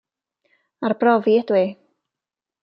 Arbrofi ydw i.